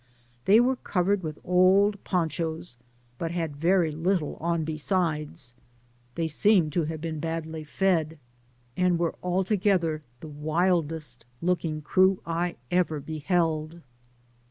They were covered with old ponchos, but had very little on besides ; they seemed to have been badly fed, and were altogether the wildest looking crew I ever beheld.